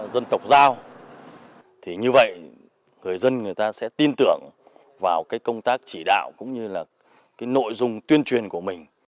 dân tộc giao thì như vậy người dân người ta sẽ tin tưởng vào cái công tác chỉ đạo cũng như là cái nội dung tuyên truyền của mình